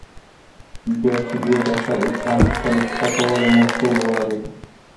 بيا چې دې ډاکتر عرفان ته خپله کيسه کوله موږ ټوله واورېده.